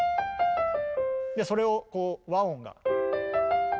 それをこう和音が。